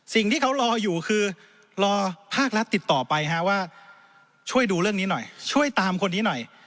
สิ่งที่เขารออยู่คือรอภาครัฐติดต่อไปว่าช่วยดูเรื่องนี้หน่อยช่วยตามคนนี้หน่อย